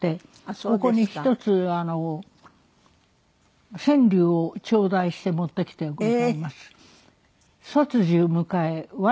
ここに１つ川柳をちょうだいして持ってきてございます。